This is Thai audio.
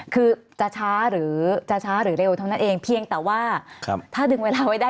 คือจะช้าหรือเร็วเท่านั้นเอง